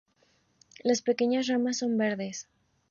Las pequeñas ramas son verdes.